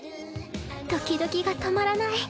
ドキドキが止まらない。